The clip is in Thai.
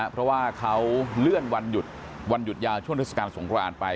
เพราะว่าเขาเลื่อนวันหยุดยาวช่วงทศการสงครานไป